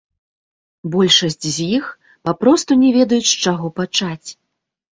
Большасць з іх папросту не ведаюць, з чаго пачаць.